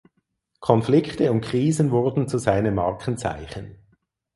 Konflikte und Krisen wurden zu seinem Markenzeichen.